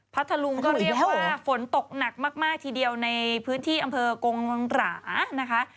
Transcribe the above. พัทธลุงก็เรียกว่าฝนตกหนักมากทีเดียวในพื้นที่อำเภอกงวังหรานะคะ